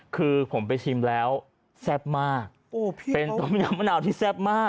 คือผมไปชิมแล้วแซ่บมากเป็นต้มยำมะนาวที่แซ่บมาก